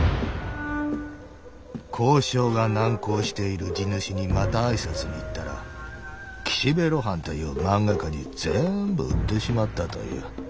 「交渉が難航している地主にまたあいさつに行ったら岸辺露伴という漫画家に全部売ってしまったという。